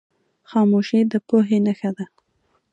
خاموشي، د پوهې نښه ده.